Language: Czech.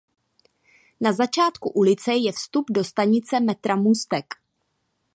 Na začátku ulice je vstup do stanice metra Můstek.